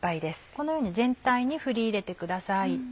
このように全体に振り入れてください。